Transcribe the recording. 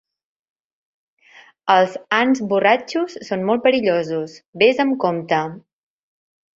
Els ants borratxos són molt perillosos, ves amb compte.